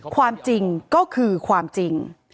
ความจริงก็คือความจริง